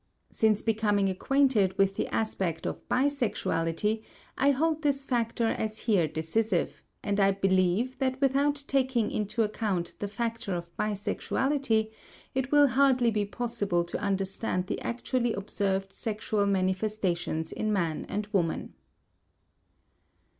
Since becoming acquainted with the aspect of bisexuality I hold this factor as here decisive, and I believe that without taking into account the factor of bisexuality it will hardly be possible to understand the actually observed sexual manifestations in man and woman.